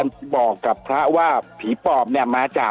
คุณติเล่าเรื่องนี้ให้ฮะ